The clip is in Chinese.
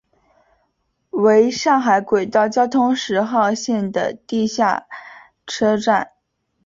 为上海轨道交通十号线的地下车站。